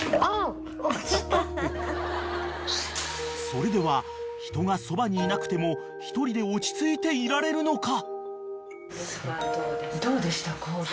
［それでは人がそばにいなくても１人で落ち着いていられるのか？］